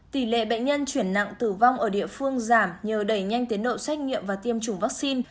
tỷ lệ bệnh nhân chuyển nặng tử vong ở địa phương giảm nhờ đẩy nhanh tiến độ xét nghiệm và tiêm chủng vaccine